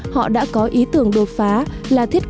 họ đã có ý tưởng đột phá